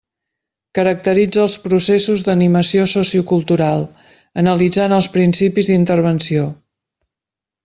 Caracteritza els processos d'animació sociocultural, analitzant els principis d'intervenció.